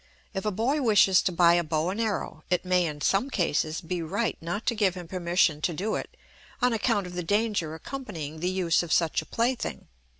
If a boy wishes to buy a bow and arrow, it may in some cases be right not to give him permission to do it, on account of the danger accompanying the use of such a plaything.